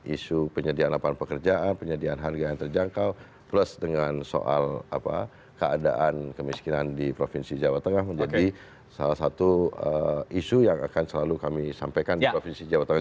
isu penyediaan lapangan pekerjaan penyediaan harga yang terjangkau plus dengan soal keadaan kemiskinan di provinsi jawa tengah menjadi salah satu isu yang akan selalu kami sampaikan di provinsi jawa tengah